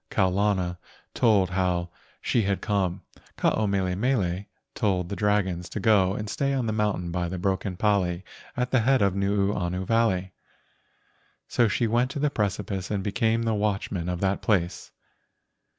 Kau lana told how she had come. Ke ao mele mele told the dragon to go THE MAID OF THE GOLDEN CLOUD 147 and stay on the mountain by the broken pali at the head of Nuuanu Valley. So she went to the precipice and became the watchman of that place.